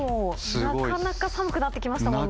なかなか寒くなって来ましたもんね！